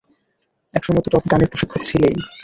একসময় তো টপ গানের প্রশিক্ষক ছিলেই।